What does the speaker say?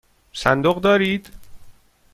صندوق دارید؟